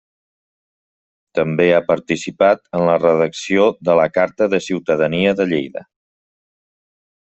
També ha participat en la redacció de la Carta de Ciutadania de Lleida.